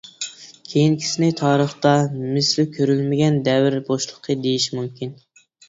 كېيىنكىسىنى تارىختا مىسلى كۆرۈلمىگەن دەۋر بوشلۇقى دېيىش مۇمكىن.